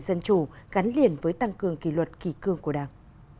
dân chủ gắn liền với tăng cường kỷ luật kỳ cương của đảng